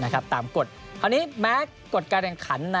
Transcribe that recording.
คราวนี้แม้กฎการแข่งขัน